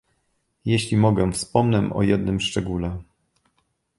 Jeśli mogę, wspomnę o jednym szczególe